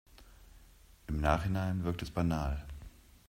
Im Nachhinein wirkt es banal.